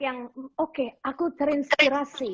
yang oke aku terinspirasi